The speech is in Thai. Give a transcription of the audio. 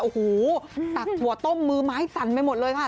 โอ้โหตักหัวต้มมือไม้สั่นไปหมดเลยค่ะ